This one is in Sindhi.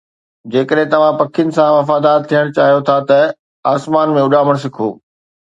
جيڪڏهن توهان پکين سان وفادار ٿيڻ چاهيو ٿا ته آسمان ۾ اڏامڻ سکو